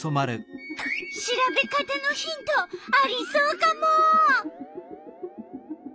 調べ方のヒントありそうカモ！